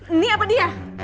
ini apa dia